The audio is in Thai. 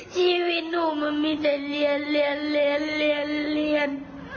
ชีวิตหนูมันมีแต่เรียน